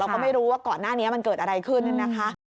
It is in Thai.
ก็ไม่รู้ว่าก่อนหน้านี้มันเกิดอะไรขึ้นนะคะ